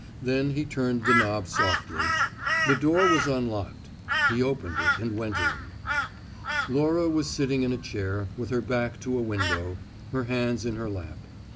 Then he turned the knob softly. The door was unlocked; he opened it and went in. Laura was sitting in a chair, with her back to a window, her hands in her lap.